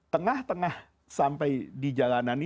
tengah tengah sampai di jalanannya